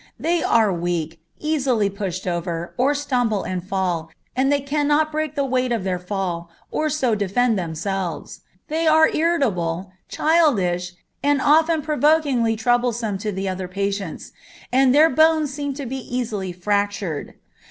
They are weak, easily pushed over, or stumble and fall, and they cannot break the weight of their fall, or so defend themselves; they are irritable, childish, and often provokingly troublesome to the other patients, and their bones seem to be easily fractured.